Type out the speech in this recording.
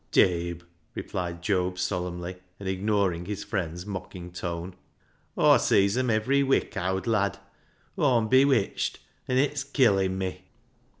" Jabe," replied Job solemnly, and ignoring his friend's mocking tone, " Aw sees 'em ivery wik, owd lad. Aw'm bewitched, an' it's killin' me."